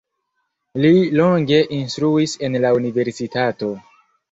Li longe instruis en la universitato.